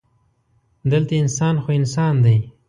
دلته انسان خو انسان دی.